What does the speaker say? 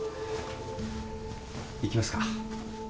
行きますか。